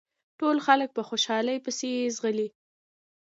ټول خلک په خوشحالۍ پسې ځغلي.